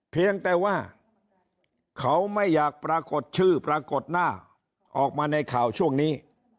เพียงแต่ว่าเขาไม่อยากปรากฏชื่อปรากฏหน้าออกมาในข่าวช่วงนี้